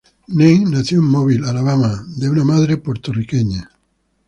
Nairn nació en Mobile, Alabama, de una madre puertorriqueña.